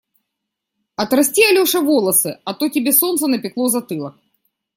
Отрасти, Алеша, волосы, а то тебе солнце напекло затылок.